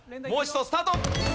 もう一度スタート！